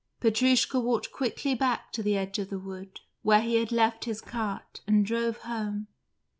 Petrushka walked quickly back to the edge of the wood, where he had left his cart, and drove home.